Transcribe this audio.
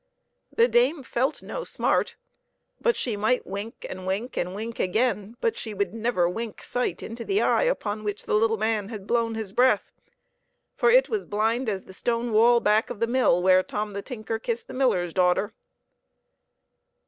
The dame felt no smart, but she might wink and wink, and wink again, but she would never wink sight into the eye upon which the little man had blown his breath, for it was blind as the stone wall back of the mill, where Tom the tinker kissed the miller's daughter.